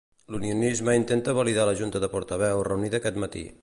L'unionisme intenta validar la junta de portaveus reunida aquest matí.